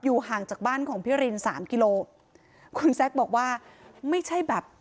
ห่างจากบ้านของพี่รินสามกิโลคุณแซคบอกว่าไม่ใช่แบบ